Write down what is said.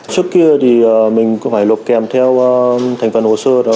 trước kia thì mình cũng phải lộp kèm theo thành phần hồ sơ